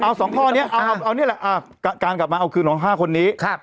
เอาสองข้อนี้เอานี่แหละอ่าการกลับมาเอาคืนของห้าคนนี้ครับ